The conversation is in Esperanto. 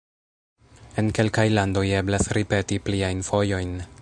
En kelkaj landoj eblas ripeti pliajn fojojn.